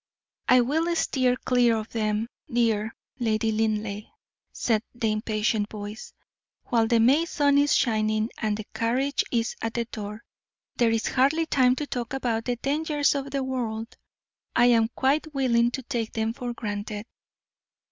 "I will steer clear of them, dear Lady Linleigh," said the impatient voice. "While the May sun is shining and the carriage is at the door, there is hardly time to talk about the dangers of the world. I am quite willing to take them for granted."